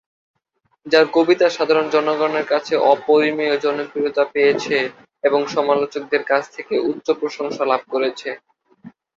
তার কবিতা সাধারণ জনগণের কাছে অপরিমেয় জনপ্রিয়তা পেয়েছে এবং সমালোচকদের কাছ থেকে উচ্চ প্রশংসা লাভ করেছে।